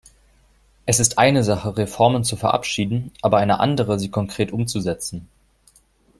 Es ist eine Sache, Reformen zu verabschieden, aber eine andere, sie konkret umzusetzen.